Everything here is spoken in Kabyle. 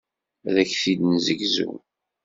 Ad ak-t-id-nessegzu.